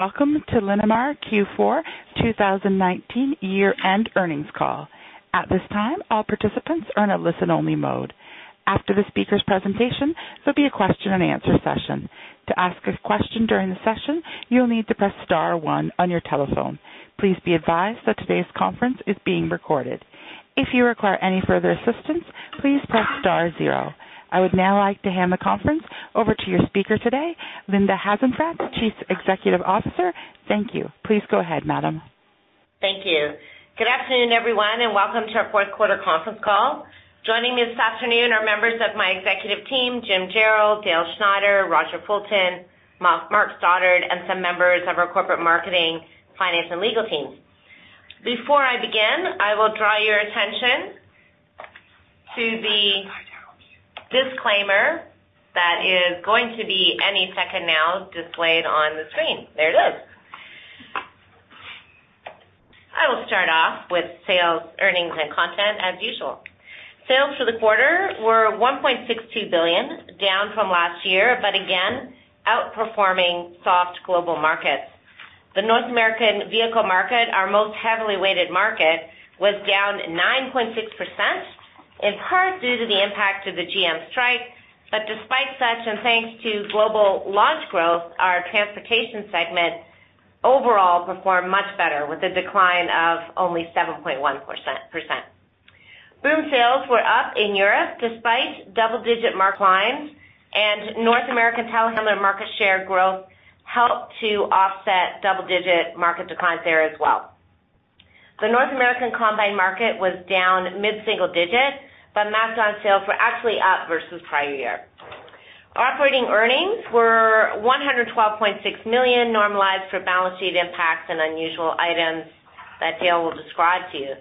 Welcome to Linamar Q4 2019 year-end earnings call. At this time, all participants are in a listen-only mode. After the speaker's presentation, there'll be a question-and-answer session. To ask a question during the session, you'll need to press star one on your telephone. Please be advised that today's conference is being recorded. If you require any further assistance, please press star zero. I would now like to hand the conference over to your speaker today, Linda Hasenfratz, Chief Executive Officer. Thank you. Please go ahead, Madam. Thank you. Good afternoon, everyone, and welcome to our fourth quarter conference call. Joining me this afternoon are members of my executive team, Jim Jarrell, Dale Schneider, Roger Fulton, Mark Stoddard, and some members of our corporate marketing, finance, and legal team. Before I begin, I will draw your attention to the disclaimer that is going to be any second now displayed on the screen. There it is. I will start off with sales, earnings, and content as usual. Sales for the quarter were 1.62 billion, down from last year, but again, outperforming soft global markets. The North American vehicle market, our most heavily weighted market, was down 9.6%, in part due to the impact of the GM strike. But despite such, and thanks to global launch growth, our transportation segment overall performed much better with a decline of only 7.1%. Boom sales were up in Europe despite double-digit declines, and North American telehandler market share growth helped to offset double-digit market declines there as well. The North American combine market was down mid-single digit, but MacDon sales were actually up versus prior year. Operating earnings were 112.6 million, normalized for balance sheet impacts and unusual items that Dale will describe to you.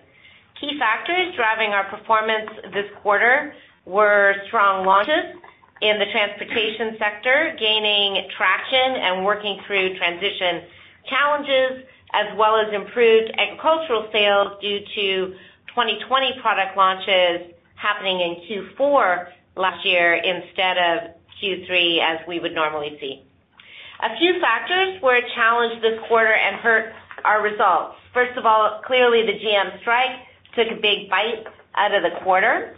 Key factors driving our performance this quarter were strong launches in the transportation sector, gaining traction and working through transition challenges, as well as improved agricultural sales due to 2020 product launches happening in Q4 last year instead of Q3, as we would normally see. A few factors were a challenge this quarter and hurt our results. First of all, clearly the GM strike took a big bite out of the quarter.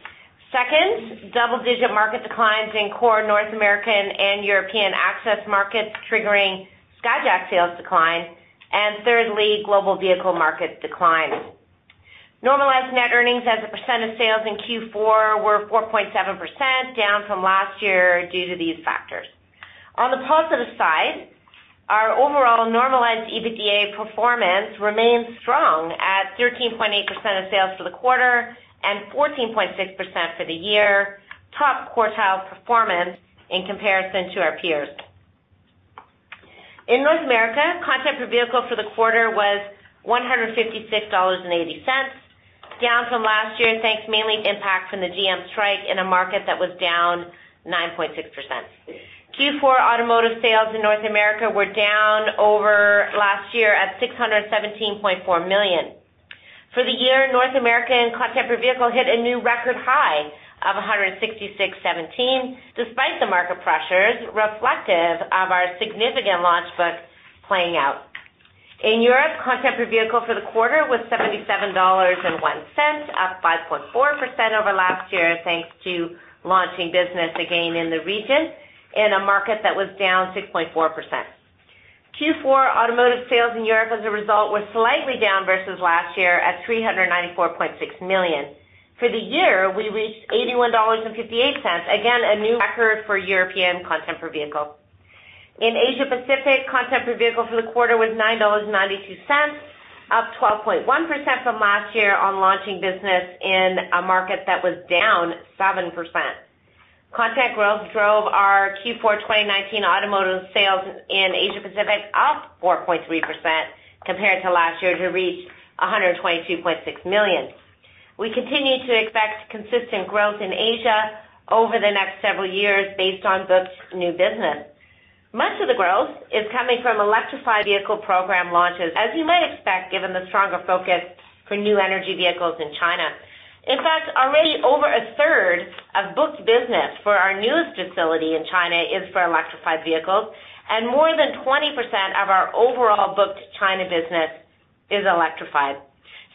Second, double-digit market declines in core North American and European access markets triggering Skyjack sales decline. Thirdly, global vehicle market declines. Normalized net earnings as a percent of sales in Q4 were 4.7%, down from last year due to these factors. On the positive side, our overall normalized EBITDA performance remains strong at 13.8% of sales for the quarter and 14.6% for the year, top quartile performance in comparison to our peers. In North America, content per vehicle for the quarter was 156.80 dollars, down from last year thanks mainly to impact from the GM strike in a market that was down 9.6%. Q4 automotive sales in North America were down over last year at 617.4 million. For the year, North American content per vehicle hit a new record high of 166.17, despite the market pressures reflective of our significant launch book playing out. In Europe, content per vehicle for the quarter was 77.01 dollars, up 5.4% over last year thanks to launching business again in the region in a market that was down 6.4%. Q4 automotive sales in Europe, as a result, were slightly down versus last year at 394.6 million. For the year, we reached 81.58 dollars, again a new record for European content per vehicle. In Asia Pacific, content per vehicle for the quarter was 9.92 dollars, up 12.1% from last year on launching business in a market that was down 7%. Content growth drove our Q4 2019 automotive sales in Asia Pacific up 4.3% compared to last year to reach 122.6 million. We continue to expect consistent growth in Asia over the next several years based on booked new business. Much of the growth is coming from electrified vehicle program launches, as you might expect given the stronger focus for new energy vehicles in China. In fact, already over a third of booked business for our newest facility in China is for electrified vehicles, and more than 20% of our overall booked China business is electrified.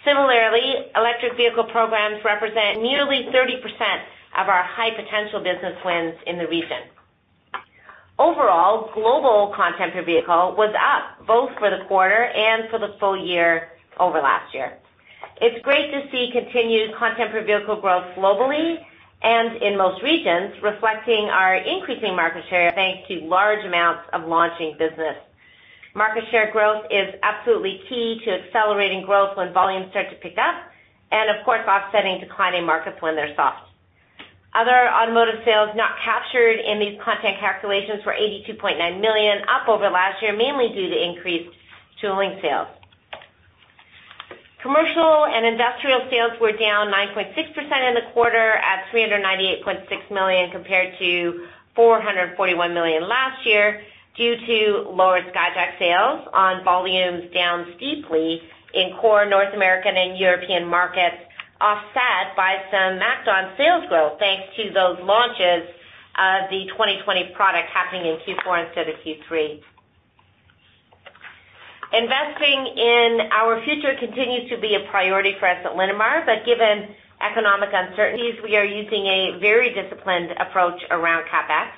Similarly, electric vehicle programs represent nearly 30% of our high potential business wins in the region. Overall, global content per vehicle was up both for the quarter and for the full year over last year. It's great to see continued content per vehicle growth globally and in most regions, reflecting our increasing market share thanks to large amounts of launching business. Market share growth is absolutely key to accelerating growth when volumes start to pick up and, of course, offsetting declining markets when they're soft. Other automotive sales not captured in these content calculations were 82.9 million, up over last year mainly due to increased tooling sales. Commercial and industrial sales were down 9.6% in the quarter at 398.6 million compared to 441 million last year due to lower Skyjack sales on volumes down steeply in core North American and European markets, offset by some MacDon sales growth thanks to those launches of the 2020 product happening in Q4 instead of Q3. Investing in our future continues to be a priority for us at Linamar, but given economic uncertainties, we are using a very disciplined approach around CapEx.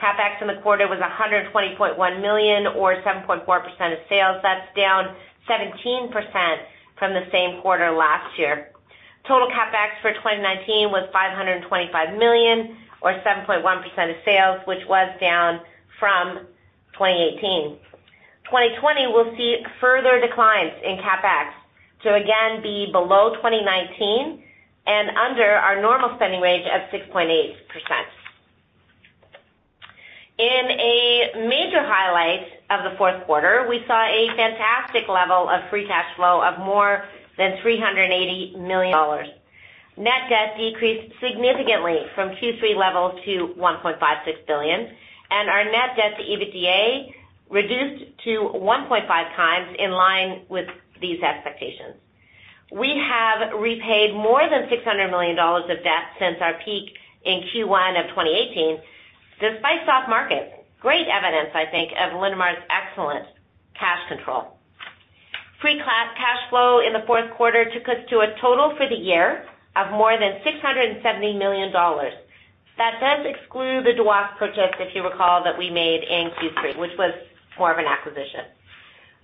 CapEx in the quarter was 120.1 million, or 7.4% of sales. That's down 17% from the same quarter last year. Total CapEx for 2019 was 525 million, or 7.1% of sales, which was down from 2018. 2020 will see further declines in CapEx to again be below 2019 and under our normal spending range of 6.8%. In a major highlight of the fourth quarter, we saw a fantastic level of free cash flow of more than 380 million dollars. Net debt decreased significantly from Q3 levels to 1.56 billion, and our net debt to EBITDA reduced to 1.5x in line with these expectations. We have repaid more than 600 million dollars of debt since our peak in Q1 of 2018, despite soft markets. Great evidence, I think, of Linamar's excellent cash control. Free cash flow in the fourth quarter took us to a total for the year of more than 670 million dollars. That does exclude the DOAS purchase, if you recall, that we made in Q3, which was more of an acquisition.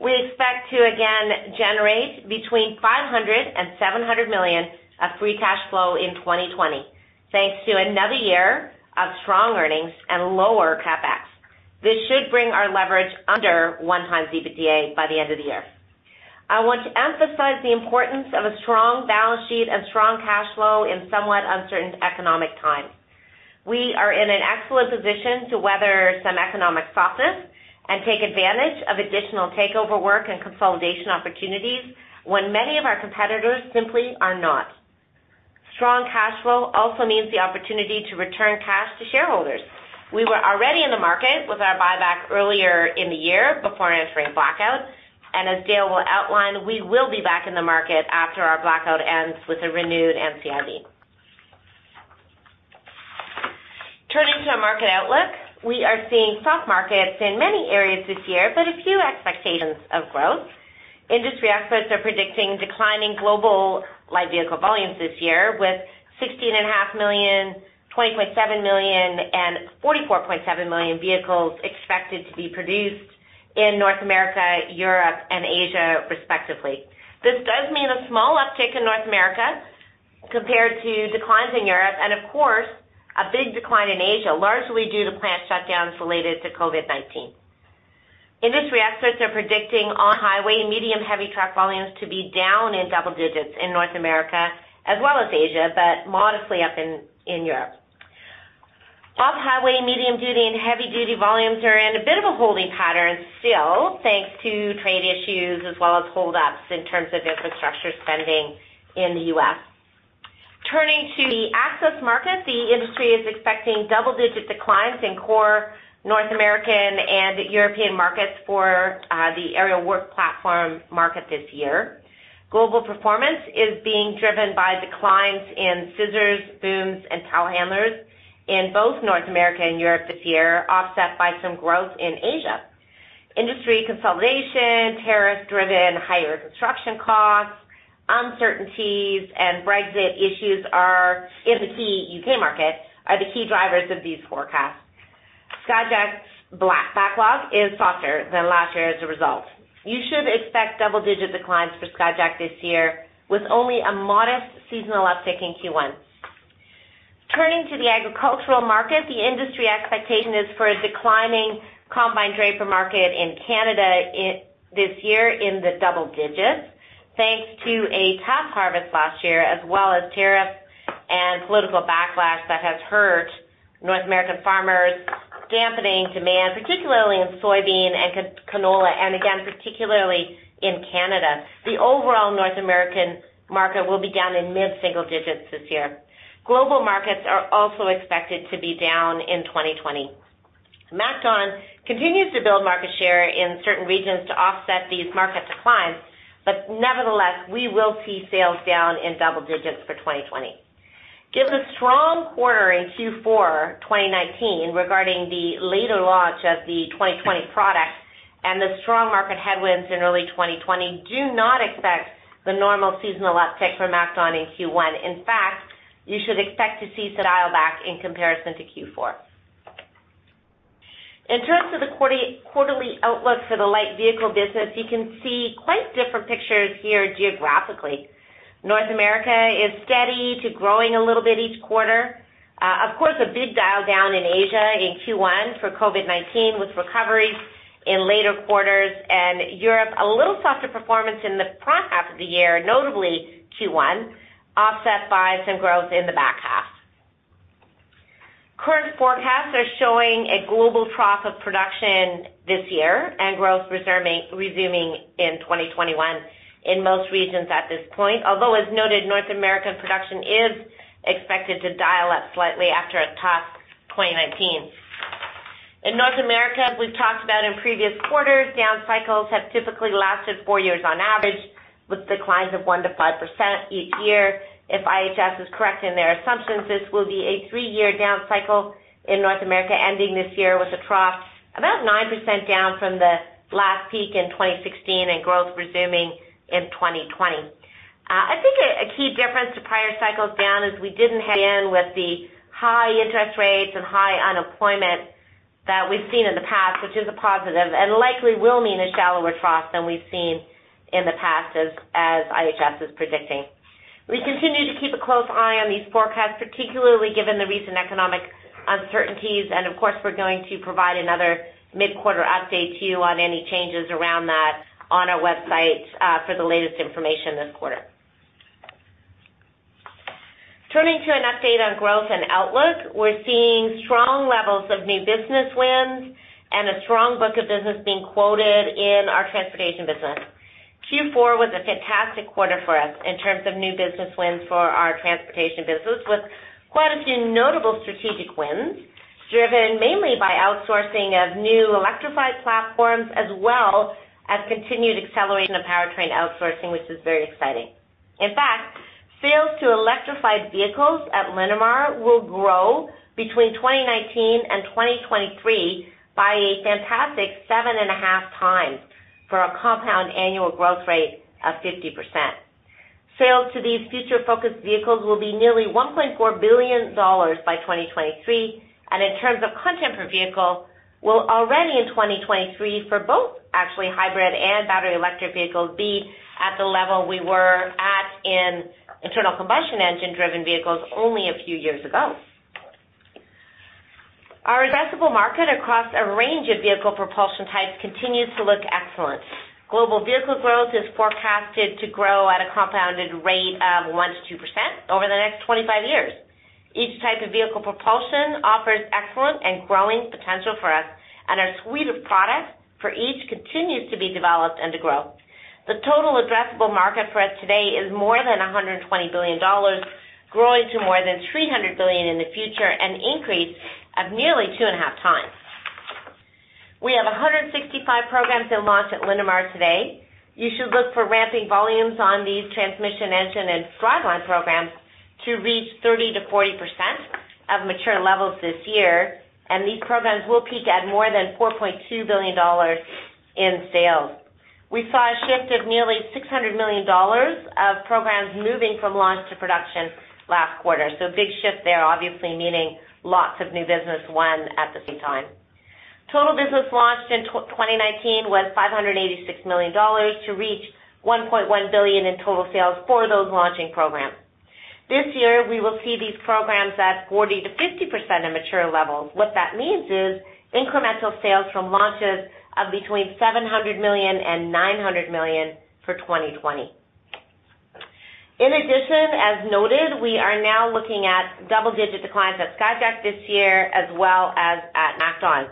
We expect to again generate between 500 million and 700 million of free cash flow in 2020, thanks to another year of strong earnings and lower CapEx. This should bring our leverage under 1x EBITDA by the end of the year. I want to emphasize the importance of a strong balance sheet and strong cash flow in somewhat uncertain economic times. We are in an excellent position to weather some economic softness and take advantage of additional takeover work and consolidation opportunities when many of our competitors simply are not. Strong cash flow also means the opportunity to return cash to shareholders. We were already in the market with our buyback earlier in the year before entering blackout. As Dale will outline, we will be back in the market after our blackout ends with a renewed NCIB. Turning to our market outlook, we are seeing soft markets in many areas this year, but a few expectations of growth. Industry experts are predicting declining global light vehicle volumes this year, with 16.5 million, 20.7 million, and 44.7 million vehicles expected to be produced in North America, Europe, and Asia, respectively. This does mean a small uptick in North America compared to declines in Europe and, of course, a big decline in Asia, largely due to plant shutdowns related to COVID-19. Industry experts are predicting on-highway medium-heavy truck volumes to be down in double digits in North America as well as Asia, but modestly up in Europe. Off-highway medium-duty and heavy-duty volumes are in a bit of a holding pattern still, thanks to trade issues as well as holdups in terms of infrastructure spending in the U.S. Turning to the access market, the industry is expecting double-digit declines in core North American and European markets for the aerial work platform market this year. Global performance is being driven by declines in scissors, booms, and tow handlers in both North America and Europe this year, offset by some growth in Asia. Industry consolidation, tariff-driven higher construction costs, uncertainties, and Brexit issues in the key U.K. market are the key drivers of these forecasts. Skyjack's backlog is softer than last year as a result. You should expect double-digit declines for Skyjack this year, with only a modest seasonal uptick in Q1. Turning to the agricultural market, the industry expectation is for a declining combine draper market in Canada this year in the double digits, thanks to a tough harvest last year, as well as tariffs and political backlash that has hurt North American farmers, dampening demand, particularly in soybean and canola, and again, particularly in Canada. The overall North American market will be down in mid-single digits this year. Global markets are also expected to be down in 2020. MacDon continues to build market share in certain regions to offset these market declines, but nevertheless, we will see sales down in double digits for 2020. Given the strong quarter in Q4 2019 regarding the later launch of the 2020 product and the strong market headwinds in early 2020, do not expect the normal seasonal uptick from MacDon in Q1. In fact, you should expect to see some dial back in comparison to Q4. In terms of the quarterly outlook for the light vehicle business, you can see quite different pictures here geographically. North America is steady to growing a little bit each quarter. Of course, a big dial down in Asia in Q1 for COVID-19 with recovery in later quarters, and Europe a little softer performance in the front half of the year, notably Q1, offset by some growth in the back half. Current forecasts are showing a global trough of production this year and growth resuming in 2021 in most regions at this point, although, as noted, North American production is expected to dial up slightly after a tough 2019. In North America, as we've talked about in previous quarters, down cycles have typically lasted four years on average with declines of 1%-5% each year. If IHS is correct in their assumptions, this will be a 3-year down cycle in North America ending this year with a trough about 9% down from the last peak in 2016 and growth resuming in 2020. I think a key difference to prior cycles down is we didn't head in with the high interest rates and high unemployment that we've seen in the past, which is a positive and likely will mean a shallower trough than we've seen in the past, as IHS is predicting. We continue to keep a close eye on these forecasts, particularly given the recent economic uncertainties. Of course, we're going to provide another mid-quarter update to you on any changes around that on our website for the latest information this quarter. Turning to an update on growth and outlook, we're seeing strong levels of new business wins and a strong book of business being quoted in our transportation business. Q4 was a fantastic quarter for us in terms of new business wins for our transportation business, with quite a few notable strategic wins driven mainly by outsourcing of new electrified platforms as well as continued acceleration of powertrain outsourcing, which is very exciting. In fact, sales to electrified vehicles at Linamar will grow between 2019 and 2023 by a fantastic 7.5x for a compound annual growth rate of 50%. Sales to these future-focused vehicles will be nearly 1.4 billion dollars by 2023. And in terms of content per vehicle, will already in 2023 for both actually hybrid and battery electric vehicles be at the level we were at in internal combustion engine-driven vehicles only a few years ago. Our addressable market across a range of vehicle propulsion types continues to look excellent. Global vehicle growth is forecasted to grow at a compounded rate of 1%-2% over the next 25 years. Each type of vehicle propulsion offers excellent and growing potential for us, and our suite of products for each continues to be developed and to grow. The total addressable market for us today is more than 120 billion dollars, growing to more than 300 billion in the future, an increase of nearly 2.5x. We have 165 programs in launch at Linamar today. You should look for ramping volumes on these transmission engine and driveline programs to reach 30%-40% of mature levels this year, and these programs will peak at more than 4.2 billion dollars in sales. We saw a shift of nearly 600 million dollars of programs moving from launch to production last quarter, so a big shift there, obviously meaning lots of new business won at the same time. Total business launched in 2019 was 586 million dollars to reach 1.1 billion in total sales for those launching programs. This year, we will see these programs at 40%-50% of mature levels. What that means is incremental sales from launches of between 700 million and 900 million for 2020. In addition, as noted, we are now looking at double-digit declines at Skyjack this year as well as at MacDon.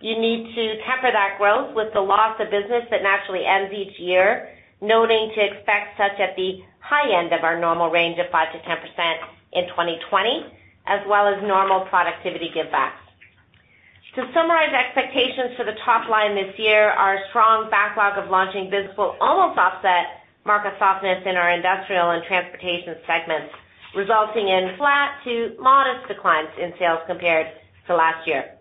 You need to temper that growth with the loss of business that naturally ends each year, noting to expect such at the high end of our normal range of 5%-10% in 2020, as well as normal productivity give back. To summarize expectations for the top line this year, our strong backlog of launching business will almost offset market softness in our industrial and transportation segments, resulting in flat to modest declines in sales compared to last year.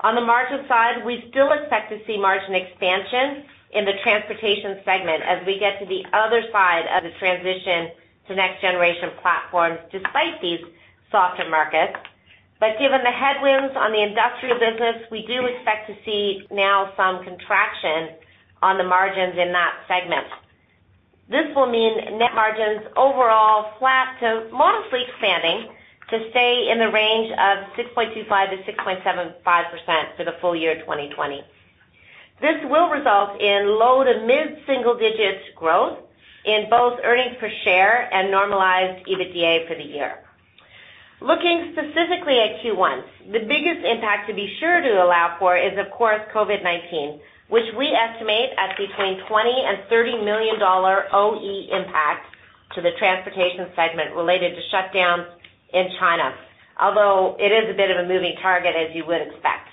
On the margin side, we still expect to see margin expansion in the transportation segment as we get to the other side of the transition to next-generation platforms despite these softer markets. But given the headwinds on the industrial business, we do expect to see now some contraction on the margins in that segment. This will mean net margins overall flat to modestly expanding to stay in the range of 6.25%-6.75% for the full year 2020. This will result in low to mid-single digit growth in both earnings per share and normalized EBITDA for the year. Looking specifically at Q1, the biggest impact to be sure to allow for is, of course, COVID-19, which we estimate at between 20 million and 30 million dollar OE impact to the transportation segment related to shutdowns in China, although it is a bit of a moving target, as you would expect.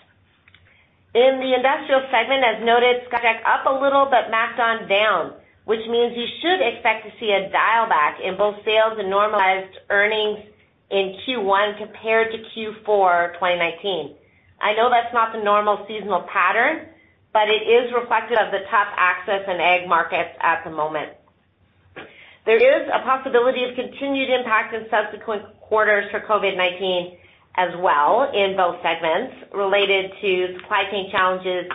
In the industrial segment, as noted, Skyjack up a little but MacDon down, which means you should expect to see a dial back in both sales and normalized earnings in Q1 compared to Q4 2019. I know that's not the normal seasonal pattern, but it is reflective of the tough access and ag markets at the moment. There is a possibility of continued impact in subsequent quarters for COVID-19 as well in both segments related to supply chain challenges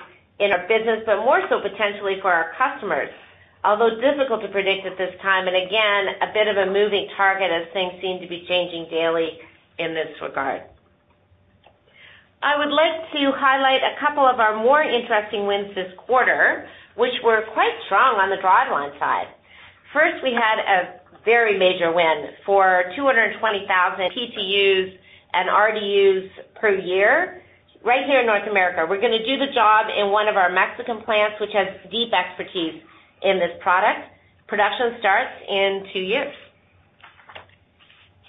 in our business, but more so potentially for our customers, although difficult to predict at this time. Again, a bit of a moving target as things seem to be changing daily in this regard. I would like to highlight a couple of our more interesting wins this quarter, which were quite strong on the driveline side. First, we had a very major win for 220,000 PTUs and RDUs per year right here in North America. We're going to do the job in one of our Mexican plants, which has deep expertise in this product. Production starts in 2 years.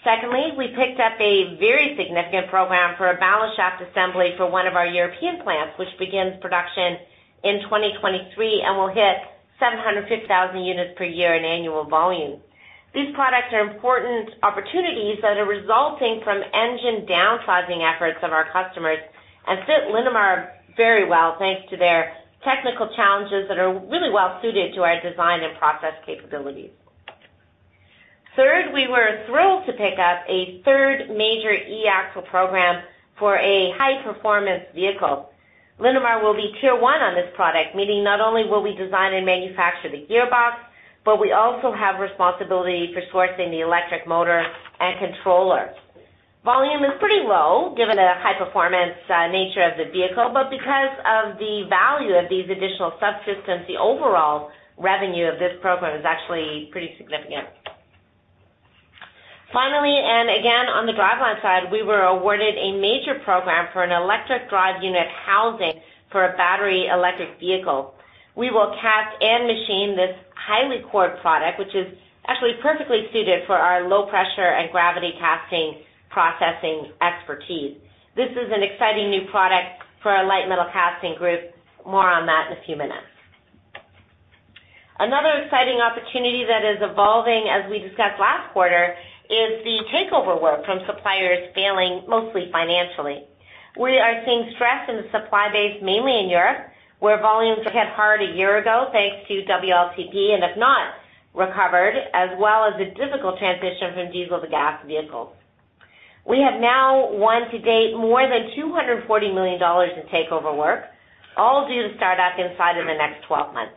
Secondly, we picked up a very significant program for a ballast shaft assembly for one of our European plants, which begins production in 2023 and will hit 750,000 units per year in annual volume. These products are important opportunities that are resulting from engine downsizing efforts of our customers and fit Linamar very well, thanks to their technical challenges that are really well suited to our design and process capabilities. Third, we were thrilled to pick up a third major eAxle program for a high-performance vehicle. Linamar will be tier one on this product, meaning not only will we design and manufacture the gearbox, but we also have responsibility for sourcing the electric motor and controller. Volume is pretty low given the high-performance nature of the vehicle, but because of the value of these additional subsystems, the overall revenue of this program is actually pretty significant. Finally, and again on the driveline side, we were awarded a major program for an electric drive unit housing for a battery electric vehicle. We will cast and machine this highly core product, which is actually perfectly suited for our low pressure and gravity casting processing expertise. This is an exciting new product for our light metal casting group. More on that in a few minutes. Another exciting opportunity that is evolving, as we discussed last quarter, is the takeover work from suppliers failing mostly financially. We are seeing stress in the supply base, mainly in Europe, where volumes hit hard a year ago, thanks to WLTP, and have not recovered, as well as a difficult transition from diesel to gas vehicles. We have now won to date more than 240 million dollars in takeover work, all due to startup inside of the next 12 months.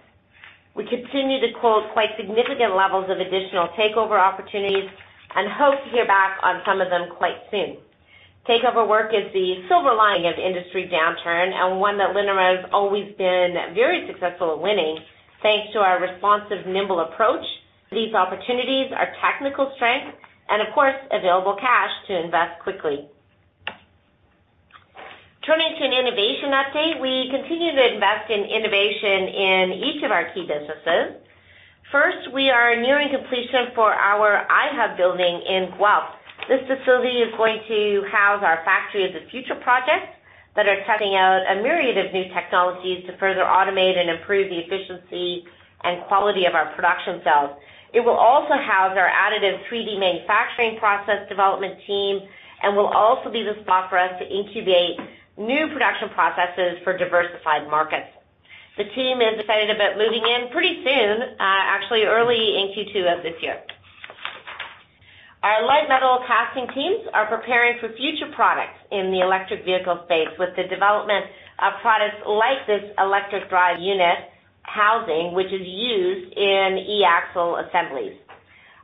We continue to quote quite significant levels of additional takeover opportunities and hope to hear back on some of them quite soon. Takeover work is the silver lining of industry downturn and one that Linamar has always been very successful at winning, thanks to our responsive, nimble approach, these opportunities, our technical strength, and of course, available cash to invest quickly. Turning to an innovation update, we continue to invest in innovation in each of our key businesses. First, we are nearing completion for our iHub building in Guelph. This facility is going to house our factory of the future projects that are testing out a myriad of new technologies to further automate and improve the efficiency and quality of our production cells. It will also house our additive 3D manufacturing process development team and will also be the spot for us to incubate new production processes for diversified markets. The team is excited about moving in pretty soon, actually early in Q2 of this year. Our light metal casting teams are preparing for future products in the electric vehicle space with the development of products like this electric drive unit housing, which is used in eAxle assemblies.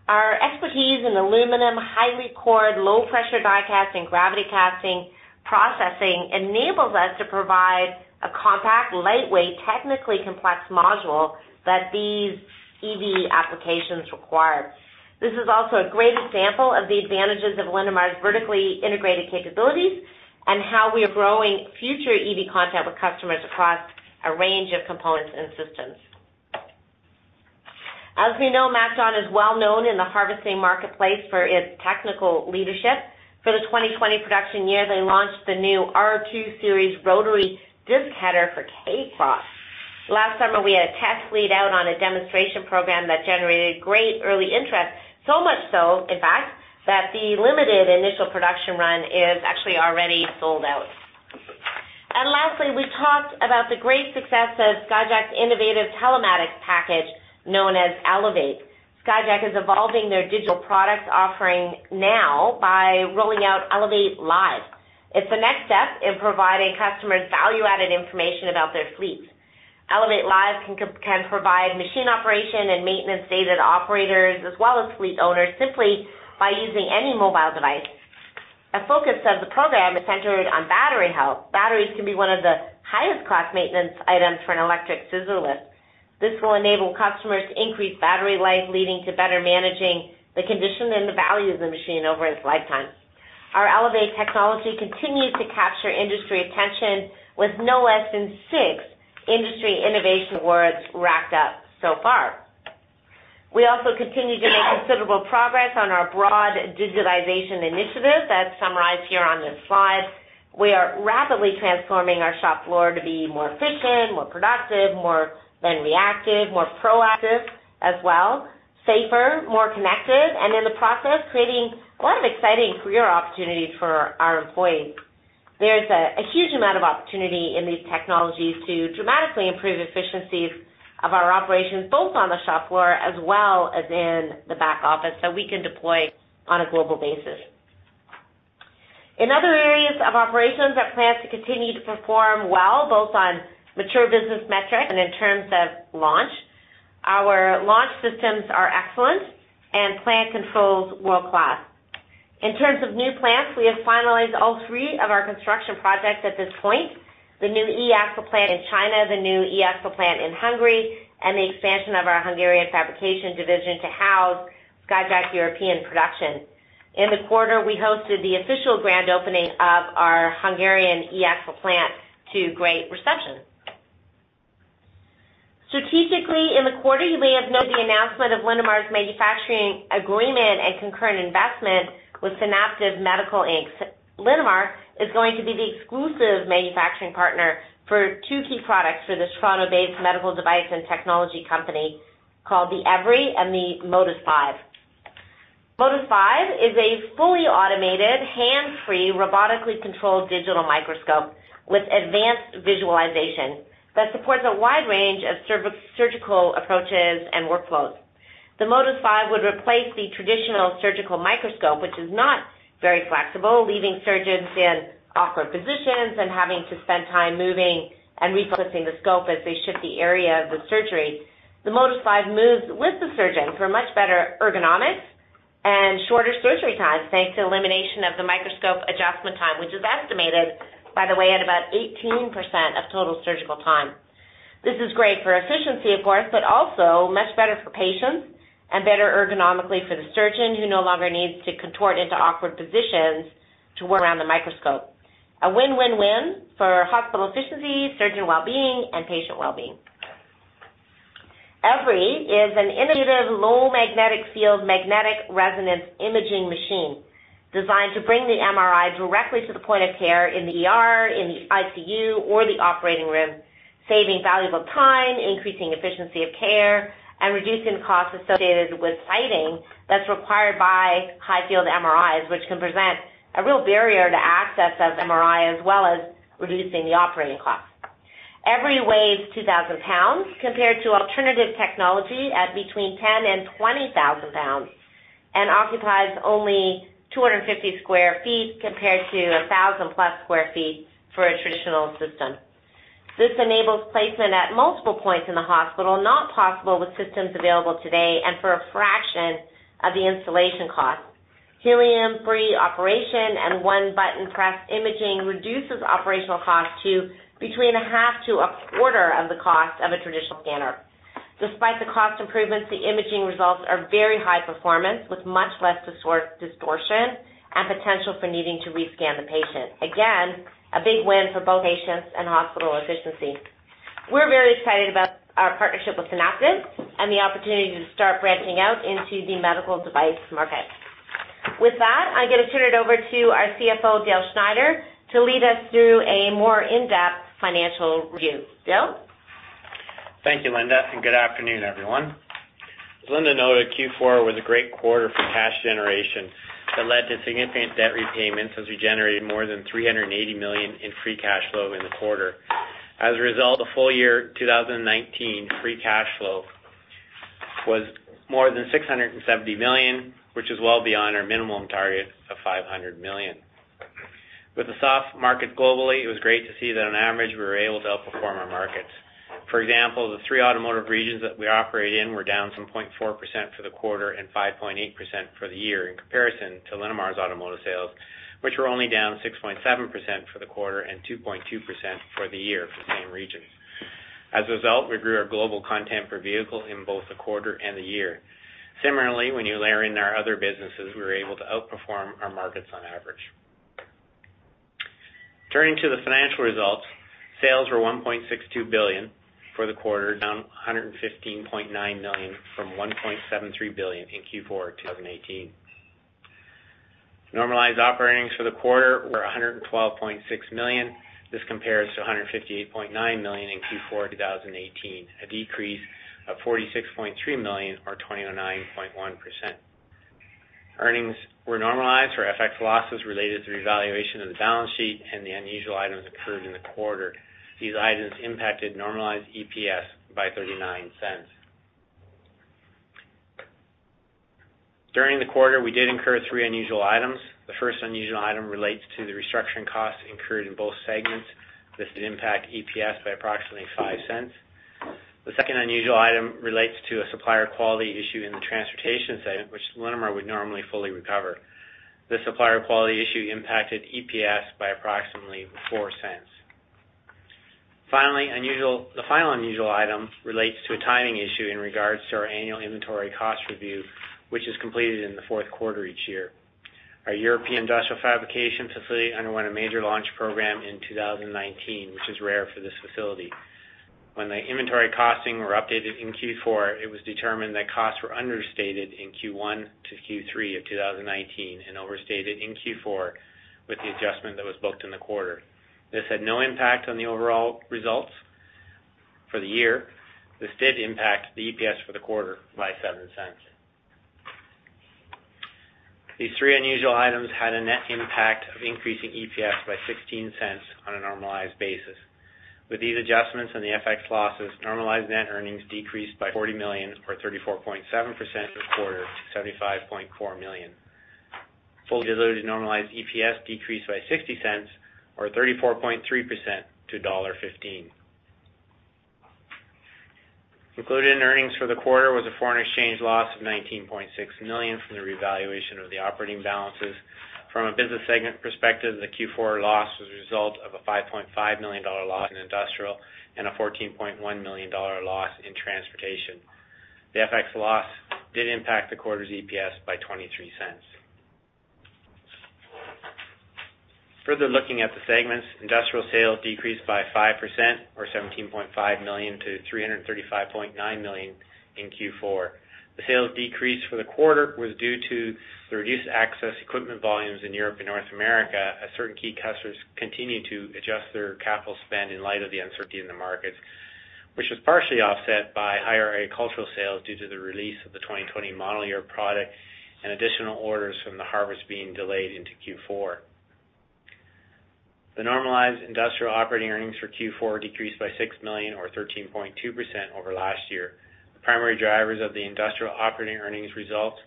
Our expertise in aluminum, highly cored, low pressure die casting, gravity casting processing enables us to provide a compact, lightweight, technically complex module that these EV applications require. This is also a great example of the advantages of Linamar's vertically integrated capabilities and how we are growing future EV content with customers across a range of components and systems. As we know, MacDon is well known in the harvesting marketplace for its technical leadership. For the 2020 production year, they launched the new R2 Series rotary disc header for K-Cross. Last summer, we had a test lead out on a demonstration program that generated great early interest, so much so, in fact, that the limited initial production run is actually already sold out. Lastly, we talked about the great success of Skyjack's innovative telematics package known as Elevate. Skyjack is evolving their digital products offering now by rolling out Elevate Live. It's the next step in providing customers value-added information about their fleets. Elevate Live can provide machine operation and maintenance data to operators as well as fleet owners simply by using any mobile device. A focus of the program is centered on battery health. Batteries can be one of the highest class maintenance items for an electric scissor lift. This will enable customers to increase battery life, leading to better managing the condition and the value of the machine over its lifetime. Our Elevate technology continues to capture industry attention with no less than six industry innovation awards racked up so far. We also continue to make considerable progress on our broad digitization initiative that's summarized here on this slide. We are rapidly transforming our shop floor to be more efficient, more productive, more than reactive, more proactive as well, safer, more connected, and in the process, creating a lot of exciting career opportunities for our employees. There's a huge amount of opportunity in these technologies to dramatically improve efficiencies of our operations, both on the shop floor as well as in the back office that we can deploy on a global basis. In other areas of operations, our plans to continue to perform well, both on mature business metrics and in terms of launch. Our launch systems are excellent and plant controls world-class. In terms of new plants, we have finalized all three of our construction projects at this point: the new eAxle plant in China, the new eAxle plant in Hungary, and the expansion of our Hungarian fabrication division to house Skyjack European production. In the quarter, we hosted the official grand opening of our Hungarian eAxle plant to great reception. Strategically, in the quarter, you may have noted the announcement of Linamar's manufacturing agreement and concurrent investment with Synaptive Medical Inc. Linamar is going to be the exclusive manufacturing partner for two key products for this Toronto-based medical device and technology company called the Evry and the Modus V. Modus V is a fully automated, hands-free, robotically controlled digital microscope with advanced visualization that supports a wide range of surgical approaches and workflows. The Modus V would replace the traditional surgical microscope, which is not very flexible, leaving surgeons in awkward positions and having to spend time moving and repositioning the scope as they shift the area of the surgery. The Modus V moves with the surgeon for much better ergonomics and shorter surgery time, thanks to elimination of the microscope adjustment time, which is estimated, by the way, at about 18% of total surgical time. This is great for efficiency, of course, but also much better for patients and better ergonomically for the surgeon who no longer needs to contort into awkward positions to work around the microscope. A win-win-win for hospital efficiency, surgeon well-being, and patient well-being. Evry is an innovative low magnetic field magnetic resonance imaging machine designed to bring the MRI directly to the point of care in the ICU, or the operating room, saving valuable time, increasing efficiency of care, and reducing costs associated with siting that's required by high-field MRIs, which can present a real barrier to access of MRI as well as reducing the operating costs. Evry weighs 2,000 lbs compared to alternative technology at between 10 lbs-20,000 lbs and occupies only 250 sq ft compared to 1,000+ sq ft for a traditional system. This enables placement at multiple points in the hospital not possible with systems available today and for a fraction of the installation cost. Helium-free operation and one-button press imaging reduces operational cost to between a half to a quarter of the cost of a traditional scanner. Despite the cost improvements, the imaging results are very high performance with much less distortion and potential for needing to rescan the patient. Again, a big win for both patients and hospital efficiency. We're very excited about our partnership with Synaptive and the opportunity to start branching out into the medical device market. With that, I'm going to turn it over to our CFO, Dale Schneider, to lead us through a more in-depth financial review. Dale? Thank you, Linda. Good afternoon, everyone. As Linda noted, Q4 was a great quarter for cash generation that led to significant debt repayments as we generated more than 380 million in free cash flow in the quarter. As a result, the full year 2019 free cash flow was more than 670 million, which is well beyond our minimum target of 500 million. With a soft market globally, it was great to see that on average we were able to outperform our markets. For example, the three automotive regions that we operate in were down 1.4% for the quarter and 5.8% for the year in comparison to Linamar's automotive sales, which were only down 6.7% for the quarter and 2.2% for the year for the same region. As a result, we grew our global content per vehicle in both the quarter and the year. Similarly, when you layer in our other businesses, we were able to outperform our markets on average. Turning to the financial results, sales were 1.62 billion for the quarter, down 115.9 million from 1.73 billion in Q4 2018. Normalized operatings for the quarter were 112.6 million. This compares to 158.9 million in Q4 2018, a decrease of 46.3 million or 29.1%. Earnings were normalized for FX losses related to revaluation of the balance sheet and the unusual items incurred in the quarter. These items impacted normalized EPS by 0.39. During the quarter, we did incur three unusual items. The first unusual item relates to the restructuring costs incurred in both segments. This did impact EPS by approximately 0.05. The second unusual item relates to a supplier quality issue in the transportation segment, which Linamar would normally fully recover. This supplier quality issue impacted EPS by approximately 0.04. Finally, the final unusual item relates to a timing issue in regards to our annual inventory cost review, which is completed in the fourth quarter each year. Our European industrial fabrication facility underwent a major launch program in 2019, which is rare for this facility. When the inventory costing were updated in Q4, it was determined that costs were understated in Q1 to Q3 of 2019 and overstated in Q4 with the adjustment that was booked in the quarter. This had no impact on the overall results for the year. This did impact the EPS for the quarter by 0.07. These three unusual items had a net impact of increasing EPS by 0.16 on a normalized basis. With these adjustments and the FX losses, normalized net earnings decreased by 40 million or 34.7% for the quarter to 75.4 million. Fully diluted normalized EPS decreased by 0.60 or 34.3% to dollar 1.15. Included in earnings for the quarter was a foreign exchange loss of 19.6 million from the revaluation of the operating balances. From a business segment perspective, the Q4 loss was a result of a 5.5 million dollar loss in industrial and a 14.1 million dollar loss in transportation. The FX loss did impact the quarter's EPS by 0.23. Further looking at the segments, industrial sales decreased by 5% or 17.5 million-335.9 million in Q4. The sales decrease for the quarter was due to the reduced access equipment volumes in Europe and North America. Certain key customers continued to adjust their capital spend in light of the uncertainty in the markets, which was partially offset by higher agricultural sales due to the release of the 2020 model year product and additional orders from the harvest being delayed into Q4. The normalized industrial operating earnings for Q4 decreased by 6 million or 13.2% over last year. The primary drivers of the industrial operating earnings results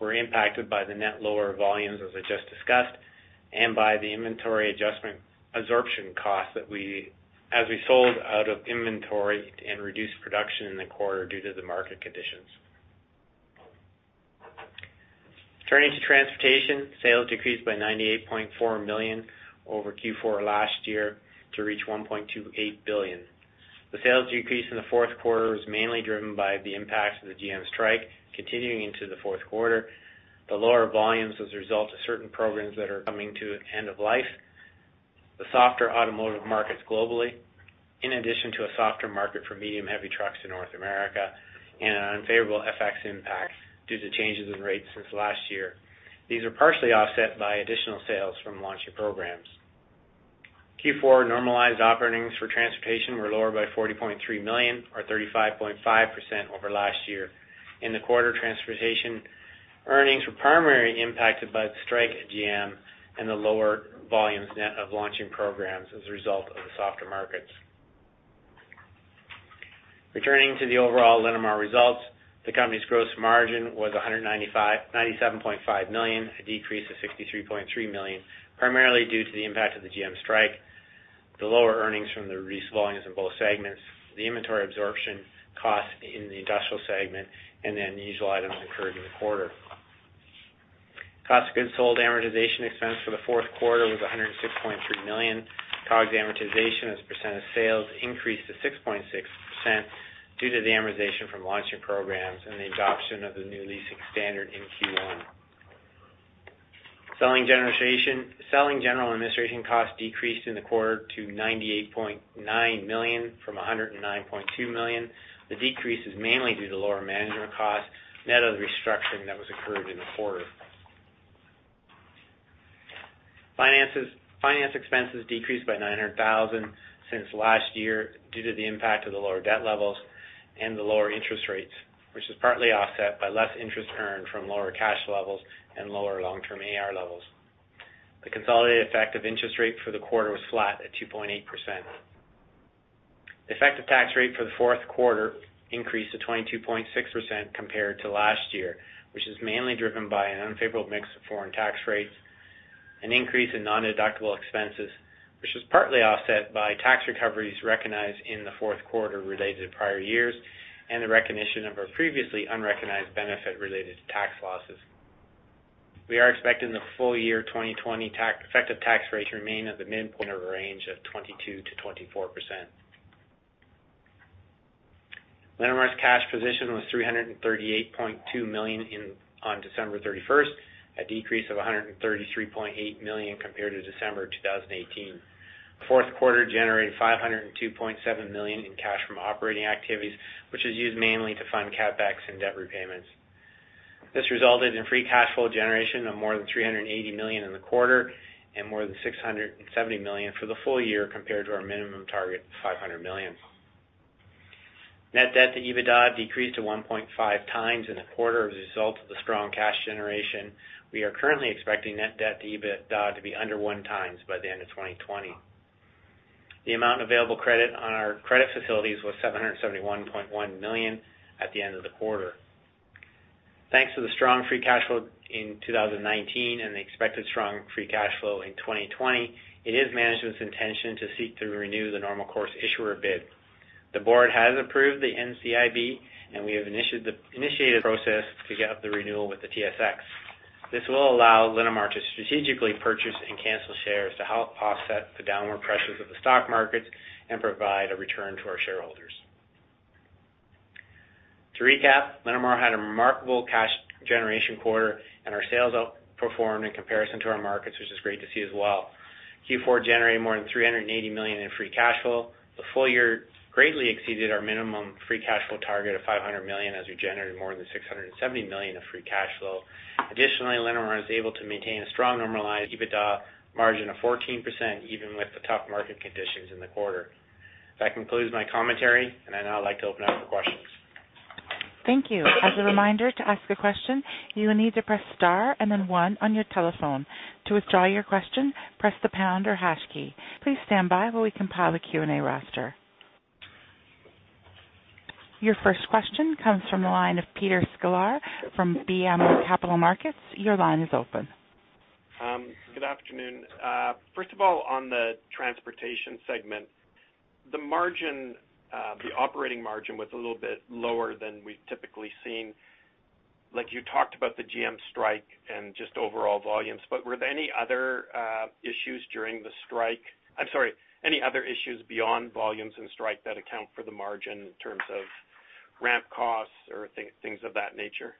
were impacted by the net lower volumes, as I just discussed, and by the inventory absorption costs that we sold out of inventory and reduced production in the quarter due to the market conditions. Turning to transportation, sales decreased by 98.4 million over Q4 last year to reach 1.28 billion. The sales decrease in the fourth quarter was mainly driven by the impacts of the GM strike continuing into the fourth quarter, the lower volumes as a result of certain programs that are coming to end of life, the softer automotive markets globally, in addition to a softer market for medium-heavy trucks in North America, and an unfavorable FX impact due to changes in rates since last year. These were partially offset by additional sales from launching programs. Q4 normalized operatings for transportation were lower by 40.3 million or 35.5% over last year. In the quarter, transportation earnings were primarily impacted by the strike at GM and the lower volumes net of launching programs as a result of the softer markets. Returning to the overall Linamar results, the company's gross margin was 197.5 million, a decrease of 63.3 million, primarily due to the impact of the GM strike, the lower earnings from the reduced volumes in both segments, the inventory absorption costs in the industrial segment, and the unusual items incurred in the quarter. Cost of goods sold amortization expense for the fourth quarter was 106.3 million. COGS amortization as a percent of sales increased to 6.6% due to the amortization from launching programs and the adoption of the new leasing standard in Q1. Selling general administration costs decreased in the quarter to 98.9 million from 109.2 million. The decrease is mainly due to lower management costs net of the restructuring that was incurred in the quarter. Finance expenses decreased by 900,000 since last year due to the impact of the lower debt levels and the lower interest rates, which was partly offset by less interest earned from lower cash levels and lower long-term AR levels. The consolidated effective interest rate for the quarter was flat at 2.8%. The effective tax rate for the fourth quarter increased to 22.6% compared to last year, which is mainly driven by an unfavorable mix of foreign tax rates, an increase in non-deductible expenses, which was partly offset by tax recoveries recognized in the fourth quarter related to prior years and the recognition of a previously unrecognized benefit related to tax losses. We are expecting the full year 2020 effective tax rate to remain at the midpoint of a range of 22%-24%. Linamar's cash position was 338.2 million on December 31st, a decrease of 133.8 million compared to December 2018. The fourth quarter generated 502.7 million in cash from operating activities, which was used mainly to fund CapEx and debt repayments. This resulted in free cash flow generation of more than 380 million in the quarter and more than 670 million for the full year compared to our minimum target of 500 million. Net debt to EBITDA decreased to 1.5x in the quarter as a result of the strong cash generation. We are currently expecting net debt to EBITDA to be under 1x by the end of 2020. The amount available credit on our credit facilities was 771.1 million at the end of the quarter. Thanks to the strong free cash flow in 2019 and the expected strong free cash flow in 2020, it is management's intention to seek to renew the normal course issuer bid. The board has approved the NCIB, and we have initiated the process to get the renewal with the TSX. This will allow Linamar to strategically purchase and cancel shares to help offset the downward pressures of the stock markets and provide a return to our shareholders. To recap, Linamar had a remarkable cash generation quarter, and our sales outperformed in comparison to our markets, which is great to see as well. Q4 generated more than 380 million in free cash flow. The full year greatly exceeded our minimum free cash flow target of 500 million as we generated more than 670 million of free cash flow. Additionally, Linamar was able to maintain a strong normalized EBITDA margin of 14% even with the tough market conditions in the quarter. That concludes my commentary, and I now would like to open it up for questions. Thank you. As a reminder to ask a question, you will need to press star and then one on your telephone. To withdraw your question, press the pound or hash key. Please stand by while we compile the Q&A roster. Your first question comes from the line of Peter Sklar from BMO Capital Markets. Your line is open. Good afternoon. First of all, on the transportation segment, the operating margin was a little bit lower than we've typically seen. You talked about the GM strike and just overall volumes, but were there any other issues during the strike? I'm sorry, any other issues beyond volumes and strike that account for the margin in terms of ramp costs or things of that nature?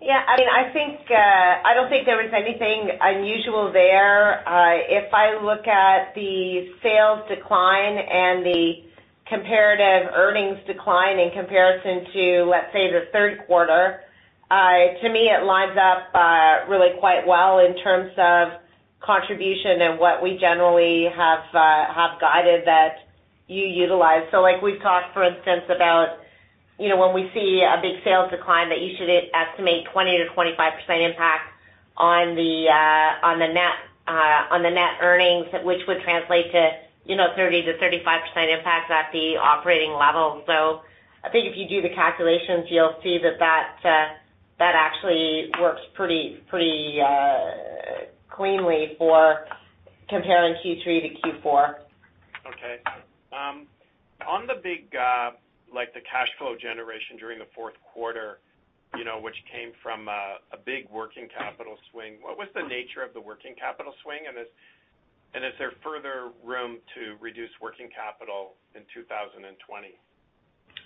Yeah. I mean, I don't think there was anything unusual there. If I look at the sales decline and the comparative earnings decline in comparison to, let's say, the third quarter, to me, it lines up really quite well in terms of contribution and what we generally have guided that you utilize. So we've talked, for instance, about when we see a big sales decline that you should estimate 20%-25% impact on the net earnings, which would translate to 30%-35% impact at the operating level. So I think if you do the calculations, you'll see that that actually works pretty cleanly for comparing Q3 to Q4. Okay. On the big gap, like the cash flow generation during the fourth quarter, which came from a big working capital swing, what was the nature of the working capital swing? And is there further room to reduce working capital in 2020?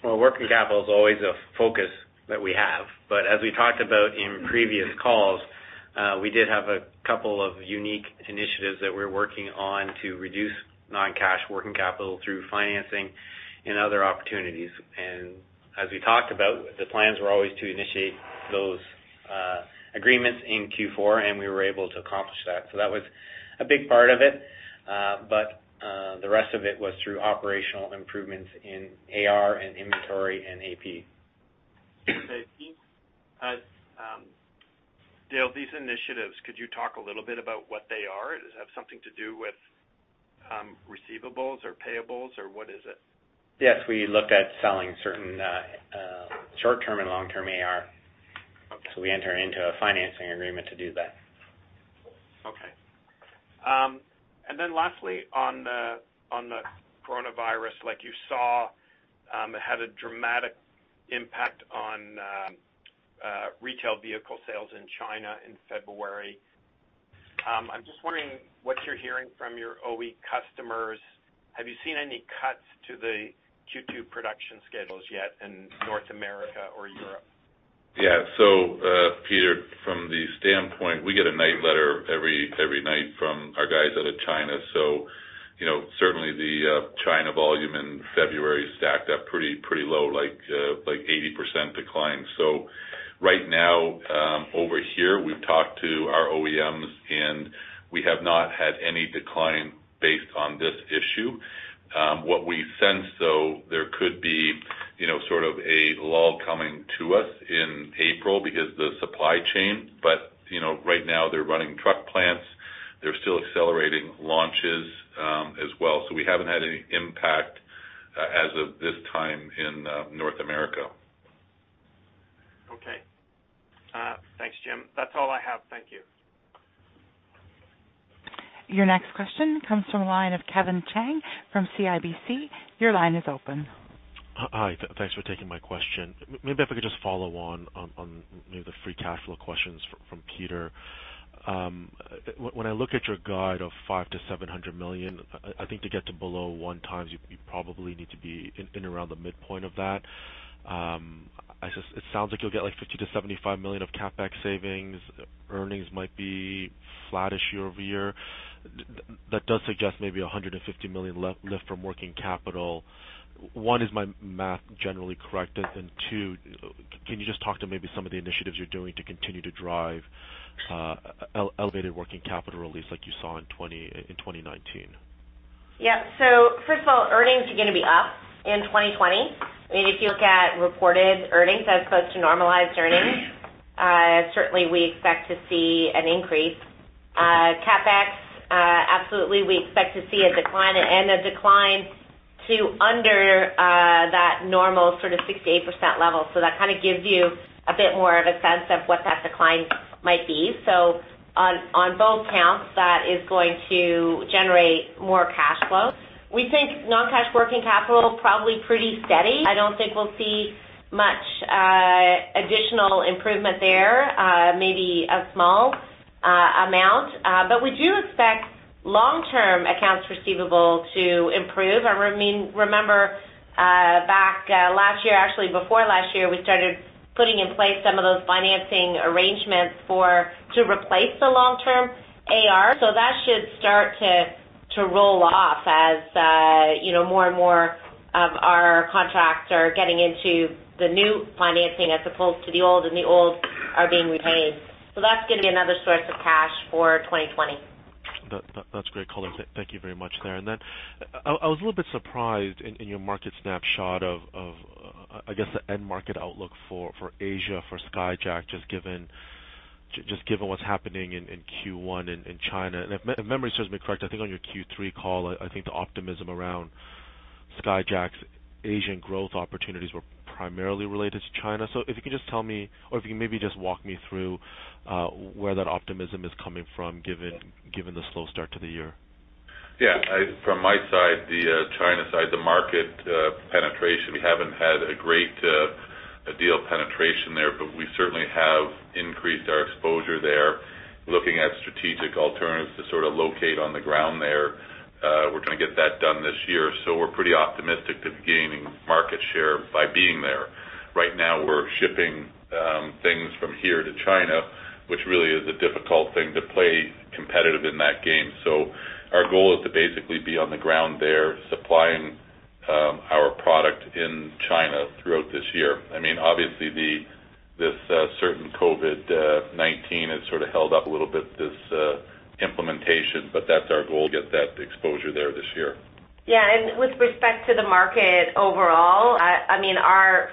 Well, working capital is always a focus that we have. But as we talked about in previous calls, we did have a couple of unique initiatives that we're working on to reduce non-cash working capital through financing and other opportunities. And as we talked about, the plans were always to initiate those agreements in Q4, and we were able to accomplish that. So that was a big part of it. But the rest of it was through operational improvements in AR and inventory and AP. These initiatives, could you talk a little bit about what they are? Does it have something to do with receivables or payables, or what is it? Yes. We looked at selling certain short-term and long-term AR. So we entered into a financing agreement to do that. Okay. And then lastly, on the coronavirus, you saw it had a dramatic impact on retail vehicle sales in China in February. I'm just wondering what you're hearing from your OE customers. Have you seen any cuts to the Q2 production schedules yet in North America or Europe? Yeah. So, Peter, from the standpoint, we get a nightly letter every night from our guys out of China. So certainly, the China volume in February stacked up pretty low, like 80% decline. So right now, over here, we've talked to our OEMs, and we have not had any decline based on this issue. What we sense, though, there could be sort of a lull coming to us in April because of the supply chain. But right now, they're running truck plants. They're still accelerating launches as well. So we haven't had any impact as of this time in North America. Okay. Thanks, Jim. That's all I have. Thank you. Your next question comes from the line of Kevin Chiang from CIBC. Your line is open. Hi. Thanks for taking my question. Maybe if I could just follow on the free cash flow questions from Peter. When I look at your guide of 50 million-700 million, I think to get to below 1x, you probably need to be in around the midpoint of that. It sounds like you'll get 50 million-75 million of CapEx savings. Earnings might be flattish year-over-year. That does suggest maybe a 150 million lift from working capital. One, is my math generally correct? And two, can you just talk to maybe some of the initiatives you're doing to continue to drive elevated working capital release like you saw in 2019? Yeah. So first of all, earnings are going to be up in 2020. I mean, if you look at reported earnings as opposed to normalized earnings, certainly, we expect to see an increase. CapEx, absolutely, we expect to see a decline and a decline to under that normal sort of 68% level. So that kind of gives you a bit more of a sense of what that decline might be. So on both counts, that is going to generate more cash flow. We think non-cash working capital is probably pretty steady. I don't think we'll see much additional improvement there, maybe a small amount. But we do expect long-term accounts receivable to improve. I mean, remember back last year, actually, before last year, we started putting in place some of those financing arrangements to replace the long-term AR. So that should start to roll off as more and more of our contracts are getting into the new financing as opposed to the old, and the old are being repaid. So that's going to be another source of cash for 2020. That's great, color. Thank you very much there. And then I was a little bit surprised in your market snapshot of, I guess, the end market outlook for Asia, for Skyjack, just given what's happening in Q1 in China. And if memory serves me correct, I think on your Q3 call, I think the optimism around Skyjack's Asian growth opportunities were primarily related to China. So if you can just tell me, or if you can maybe just walk me through where that optimism is coming from given the slow start to the year? Yeah. From my side, the China side, the market penetration. We haven't had a great deal of penetration there, but we certainly have increased our exposure there, looking at strategic alternatives to sort of locate on the ground there. We're going to get that done this year. So we're pretty optimistic to be gaining market share by being there. Right now, we're shipping things from here to China, which really is a difficult thing to play competitive in that game. So our goal is to basically be on the ground there supplying our product in China throughout this year. I mean, obviously, this certain COVID-19 has sort of held up a little bit this implementation, but that's our goal to get that exposure there this year. Yeah. With respect to the market overall, I mean,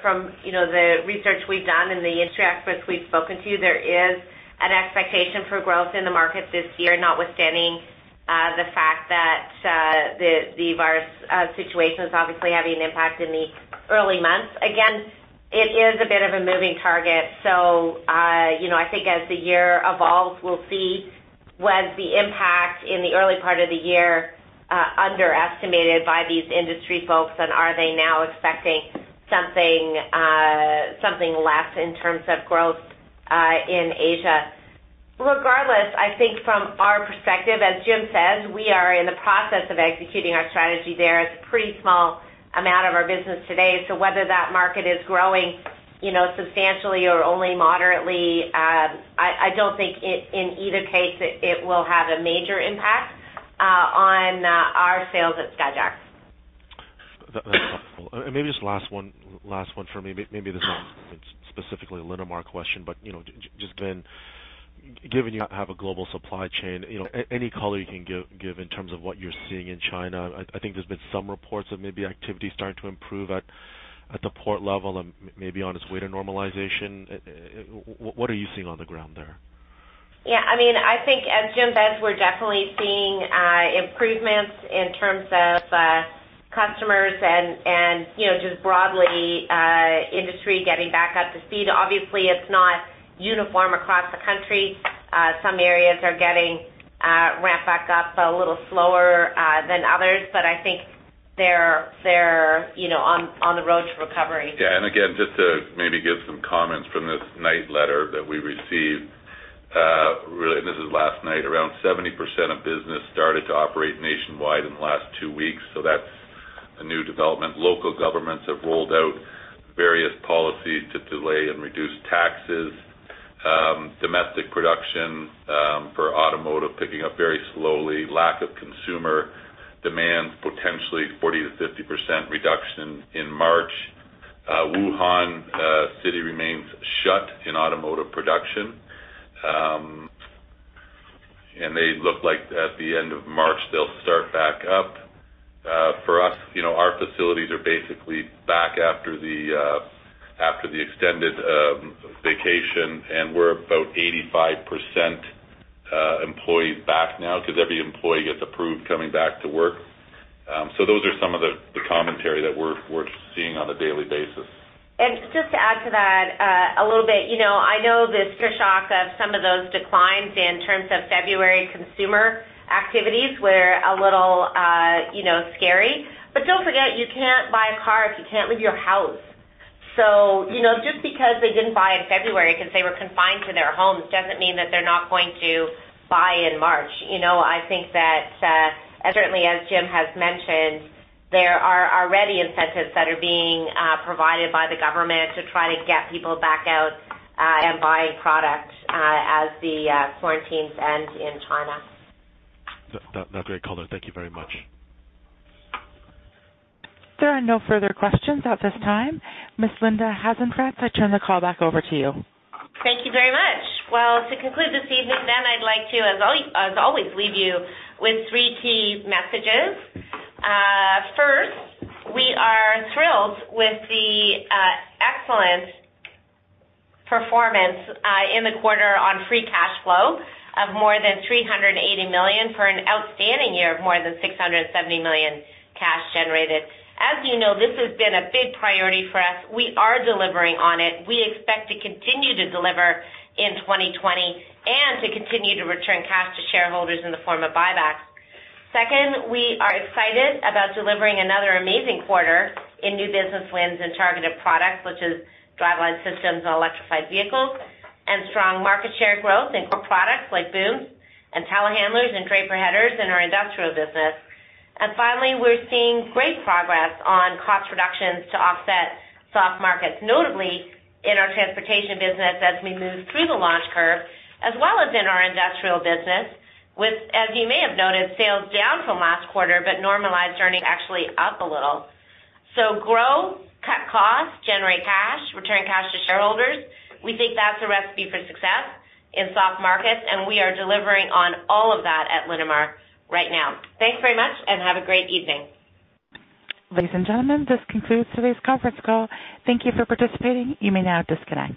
from the research we've done and the industry experts we've spoken to, there is an expectation for growth in the market this year, notwithstanding the fact that the virus situation is obviously having an impact in the early months. Again, it is a bit of a moving target. So I think as the year evolves, we'll see was the impact in the early part of the year underestimated by these industry folks, and are they now expecting something less in terms of growth in Asia? Regardless, I think from our perspective, as Jim says, we are in the process of executing our strategy there as a pretty small amount of our business today. So whether that market is growing substantially or only moderately, I don't think in either case it will have a major impact on our sales at Skyjack. That's helpful. Maybe just last one for me. Maybe this is not specifically a Linamar question, but just given you have a global supply chain, any color you can give in terms of what you're seeing in China, I think there's been some reports of maybe activity starting to improve at the port level and maybe on its way to normalization. What are you seeing on the ground there? Yeah. I mean, I think as Jim says, we're definitely seeing improvements in terms of customers and just broadly industry getting back up to speed. Obviously, it's not uniform across the country. Some areas are getting ramped back up a little slower than others, but I think they're on the road to recovery. Yeah. And again, just to maybe give some comments from this night letter that we received, and this is last night, around 70% of business started to operate nationwide in the last two weeks. So that's a new development. Local governments have rolled out various policies to delay and reduce taxes. Domestic production for automotive picking up very slowly. Lack of consumer demand, potentially 40%-50% reduction in March. Wuhan City remains shut in automotive production. And they look like at the end of March, they'll start back up. For us, our facilities are basically back after the extended vacation, and we're about 85% employees back now because every employee gets approved coming back to work. So those are some of the commentary that we're seeing on a daily basis. And just to add to that a little bit, I know the stark shock of some of those declines in terms of February consumer activities were a little scary. But don't forget, you can't buy a car if you can't leave your house. So just because they didn't buy in February because they were confined to their homes doesn't mean that they're not going to buy in March. I think that certainly, as Jim has mentioned, there are already incentives that are being provided by the government to try to get people back out and buying products as the quarantines end in China. That's great, Color. Thank you very much. There are no further questions at this time. Ms. Linda Hasenfratz, I turn the call back over to you. Thank you very much. Well, to conclude this evening, then I'd like to, as always, leave you with three key messages. First, we are thrilled with the excellent performance in the quarter on free cash flow of more than 380 million for an outstanding year of more than 670 million cash generated. As you know, this has been a big priority for us. We are delivering on it. We expect to continue to deliver in 2020 and to continue to return cash to shareholders in the form of buybacks. Second, we are excited about delivering another amazing quarter in new business wins and targeted products, which is driveline systems and electrified vehicles and strong market share growth in core products like booms and telehandlers and draper headers in our industrial business. And finally, we're seeing great progress on cost reductions to offset soft markets, notably in our transportation business as we move through the launch curve, as well as in our industrial business, with, as you may have noted, sales down from last quarter, but normalized earnings actually up a little. So grow, cut costs, generate cash, return cash to shareholders. We think that's a recipe for success in soft markets, and we are delivering on all of that at Linamar right now. Thanks very much, and have a great evening. Ladies and gentlemen, this concludes today's conference call. Thank you for participating. You may now disconnect.